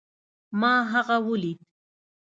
ما هغه وليد